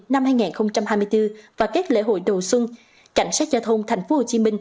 năm hai nghìn hai mươi bốn và các lễ hội đầu xuân cảnh sát giao thông tp hcm